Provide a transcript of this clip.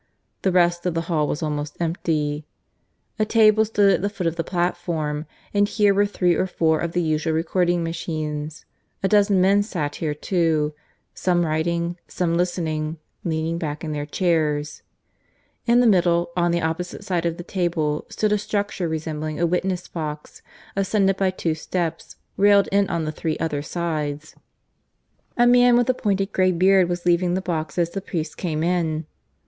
The rest of the hall was almost empty. A table stood at the foot of the platform, and here were three or four of the usual recording machines; a dozen men sat here too, some writing, some listening, leaning back in their chairs. In the middle, on the opposite side of the table, stood a structure resembling a witness box, ascended by two steps, railed in on the three other sides. A man with a pointed grey beard was leaving the box as the priest came in.